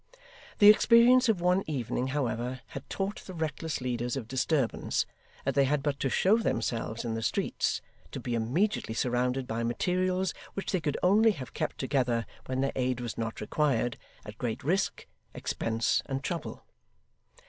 The experience of one evening, however, had taught the reckless leaders of disturbance, that they had but to show themselves in the streets, to be immediately surrounded by materials which they could only have kept together when their aid was not required, at great risk, expense, and trouble.